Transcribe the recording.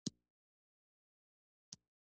د مالیې سیستم ډیجیټل کیږي